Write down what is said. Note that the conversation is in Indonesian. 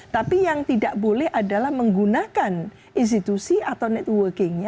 tapi yang tidak boleh adalah menggunakan institusi atau networking